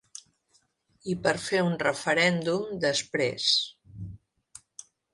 I per fer un referèndum, després.